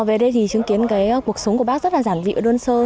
về đây thì chứng kiến cái cuộc sống của bác rất là giản vị và đơn sơ